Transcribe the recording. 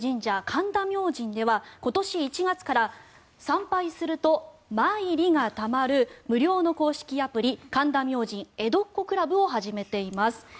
神田明神では、今年１月から参拝すると参詣がたまる無料の公式アプリ神田明神ＥＤＯＣＣＯ倶楽部を始めています。